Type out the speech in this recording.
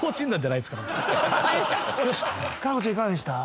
夏菜子ちゃんいかがでした？